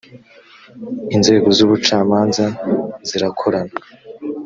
inzego z ‘ubucamanza zirakorana.